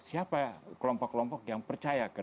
siapa kelompok kelompok yang percaya